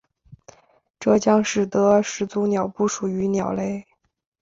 这将使得始祖鸟不属于鸟类。